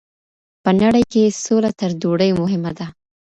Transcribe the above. په نړۍ کي سوله تر ډوډۍ مهمه ده.